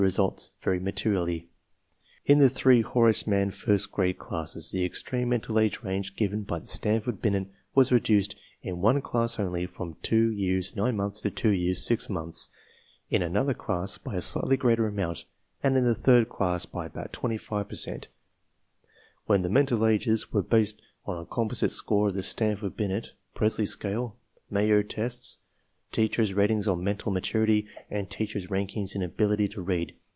results very materially. In the three Horace Mann : first grade classes the extreme mental age range given by the Stanford Binet was reduced in one class only from 2 years 9 months to 2 years 6 months, in another class by a slightly greater amount, and in the third class by about 25 per cent, when the mental ages were based on a composite score of the Stanford Binet, Pressey Scale, Meyer Tests, teachers' ratings on mental maturity, and teachers' ranking in ability to read.